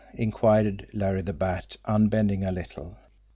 inquired Larry the Bat, unbending a little.